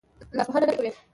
لاس وهنه نه کوي.